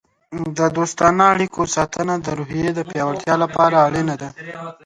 د دوستانه اړیکو ساتنه د روحیې د پیاوړتیا لپاره اړینه ده.